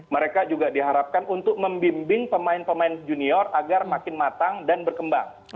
mereka juga diharapkan untuk membimbing pemain pemain junior agar makin matang dan berkembang